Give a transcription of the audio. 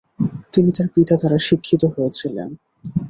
তিনি তার পিতা দ্বারা শিক্ষিত হয়েছিলেন ।